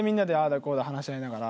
こうだ話し合いながら。